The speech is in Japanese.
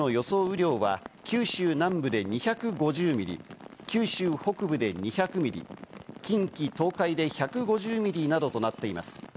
雨量は九州南部で２５０ミリ、九州北部で２００ミリ、近畿、東海で１５０ミリなどとなっています。